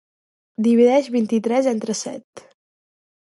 Divideix vint-i-tres entre set.